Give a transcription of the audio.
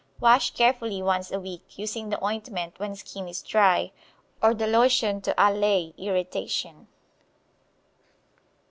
Wash carefully once a week, using the ointment when skin is dry, or the lotion to allay irritation.